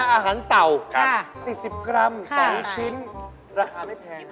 อาหารเต่า๔๐กรัม๒ชิ้นราคาไม่แพงนะ